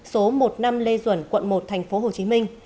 số một mươi năm lê duẩn quận một thành phố hồ chí minh